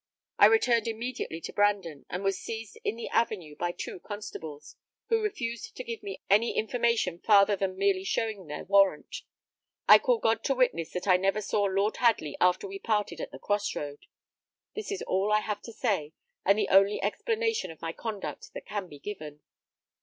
I returned immediately towards Brandon, and was seized in the avenue by two constables, who refused to give me any information farther than merely showing their warrant. I call God to witness that I never saw Lord Hadley after we parted at the cross road! This is all I have to say, and the only explanation of my conduct that can be given."